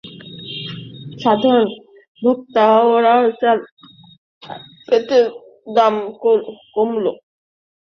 সাধারণ ভোক্তারাও চান তেলের দাম কমুক, তাতে প্রতিদিনকার পরিবহন ব্যয় খানিকটা কমবে।